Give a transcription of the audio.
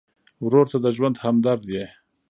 ورور ته د ژوند همدرد یې.